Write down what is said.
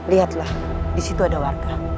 lihatlah disitu ada warga